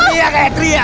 teriak eh teriak